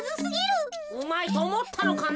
うまいとおもったのかな？